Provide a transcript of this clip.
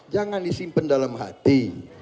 jangan disimpen dalam hati